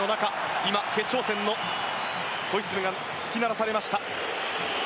今、決勝戦のホイッスルが吹き鳴らされました。